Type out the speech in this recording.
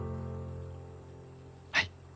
はい。